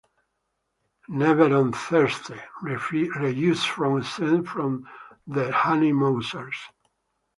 "Never on Thirsty" reused from scenes from "The Honeymousers".